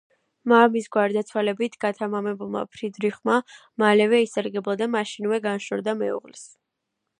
მამის გარდაცვალებით გათამამებულმა ფრიდრიხმა მალევე ისარგებლა, და მაშინვე განშორდა მეუღლეს.